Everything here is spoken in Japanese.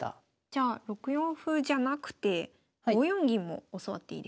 じゃあ６四歩じゃなくて５四銀も教わっていいですか？